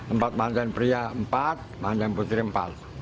empat mantan pria empat mantan putri empat